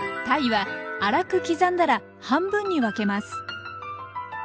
たいは粗く刻んだら半分に分けます。